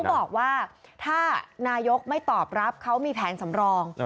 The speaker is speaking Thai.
บอกว่าถ้านายกไม่ตอบรับเขามีแผนสำรอง